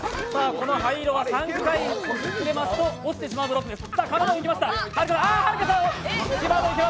この灰色は３回で落ちてしまうブロックです。